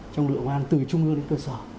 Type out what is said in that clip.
trong lượng an từ trung ương đến cơ sở